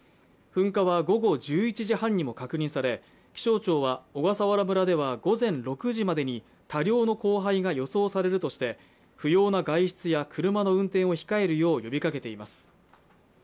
噴火は午後１１時半にも確認され気象庁は小笠原村では午前６時までに多量の降灰が予想されるとして不要な外出や車の運転を控えるよう呼びかけています。